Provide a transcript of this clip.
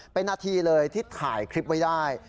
เป็นนาทีเลยที่ถ่ายคลิปไว้ได้